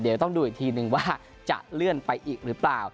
เดี๋ยวต้องดูอีกทีนึงว่าจะเลื่อนไปอีกหรือเปล่า